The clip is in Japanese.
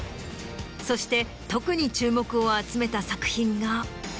そして特に注目を集めた作品が。